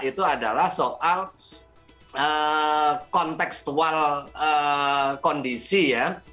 itu adalah soal konteksual kondisi ya